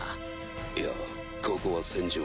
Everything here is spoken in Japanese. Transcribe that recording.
いやここは戦場。